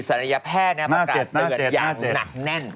ระยะแพทย์ประกาศเตือนอย่างหนักแน่น